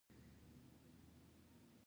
عام خلک باید د اوبو د ضایع کېدو.